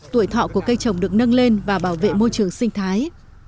tuổi thọ của cây trồng được nâng lên và bảo vệ môi trường sinh thái